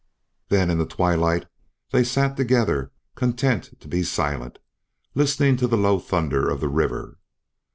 Then in the twilight they sat together content to be silent, listening to the low thunder of the river.